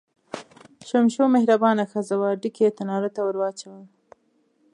شمشو مهربانه ښځه وه، ډکي یې تنار ته ور واچول.